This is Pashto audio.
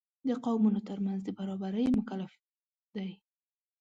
د قومونو تر منځ د برابرۍ مکلف دی.